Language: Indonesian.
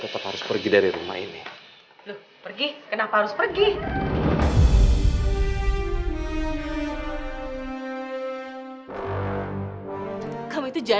kamu punya istri dan anak anak